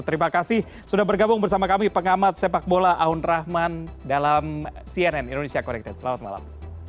terima kasih sudah bergabung bersama kami pengamat sepak bola aun rahman dalam cnn indonesia connected selamat malam